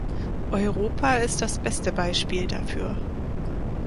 Europa ist das beste Beispiel dafür.